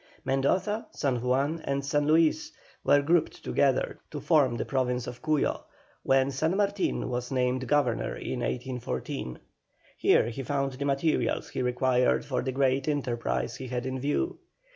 Mendoza, San Juan, and San Luis, were grouped together to form the Province of Cuyo, when San Martin was named Governor in 1814. Here he found the materials he required for the great enterprise he had in view.